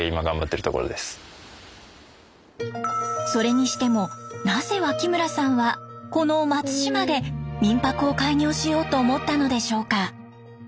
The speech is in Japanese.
それにしてもなぜ脇村さんはこの松島で民泊を開業しようと思ったのでしょうか。